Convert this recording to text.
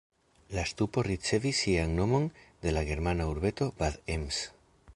La ŝtupo ricevis sian nomon de la germana urbeto Bad Ems.